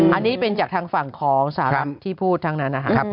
อันนี้เป็นจากทางฝั่งของสหรัฐที่พูดทั้งนั้นนะครับ